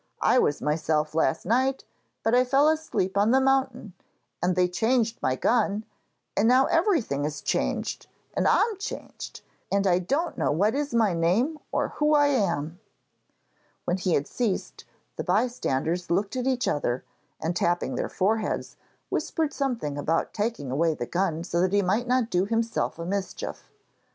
I was myself last night, but I fell asleep on the mountain and they changed my gun, and now everything is changed and I'm changed, and I don't know what is my name or who I am.' When he had ceased, the bystanders looked at each other and tapping their foreheads, whispered something about taking away the gun so that he might not do himself a mischief.